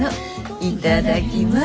いただきます。